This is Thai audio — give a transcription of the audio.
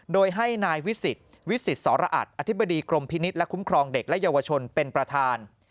โดยให้นายวิสิตวิสิตสรอัตรอธิบดีกรมพินิษฐ์และคุ้มครองเด็กและเยาวชนเป็นประธาน